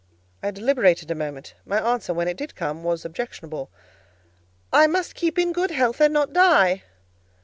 I deliberated a moment; my answer, when it did come, was objectionable: "I must keep in good health, and not die."